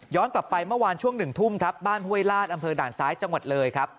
กลับไปเมื่อวานช่วง๑ทุ่มครับบ้านห้วยลาดอำเภอด่านซ้ายจังหวัดเลยครับ